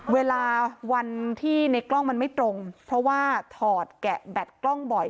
เวลาวันที่ในกล้องมันไม่ตรงเพราะว่าถอดแกะแบตกล้องบ่อย